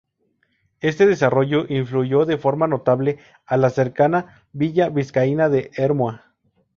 Este desarrollo influyó de forma notable a la cercana villa vizcaína de Ermua.